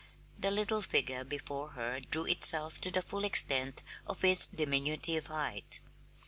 The little figure before her drew itself to the full extent of its diminutive height.